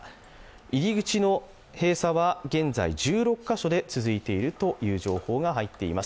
入り口の閉鎖は現在、１６か所で続いているという情報が入っています。